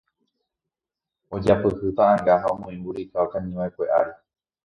ojapyhy ta'ãnga ha omoĩ mburika okañyva'ekue ári